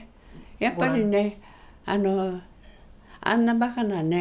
やっぱりねあんなバカなね